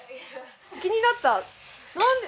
気になった。